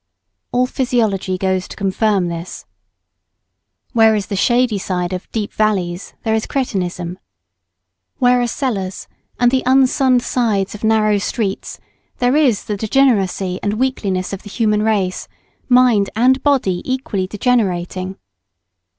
All physiology goes to confirm this. Where is the shady side of deep vallies, there is cretinism. Where are cellars and the unsunned sides of narrow streets, there is the degeneracy and weakliness of the human race mind and body equally degenerating.